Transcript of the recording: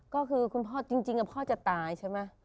ก็คือจริงพ่อจะตายนะ